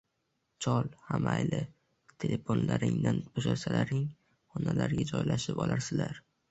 Chol: xa mayli, teleponlaringdan bo’shasalaring, xonalarga joylashib olarsilar...